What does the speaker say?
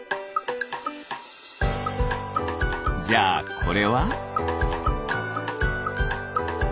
じゃあこれは？